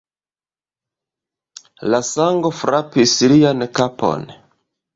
La sango frapis lian kapon.